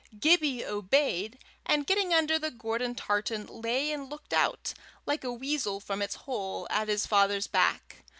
Gibbie obeyed, and getting under the Gordon tartan, lay and looked out, like a weasel from its hole, at his father's back.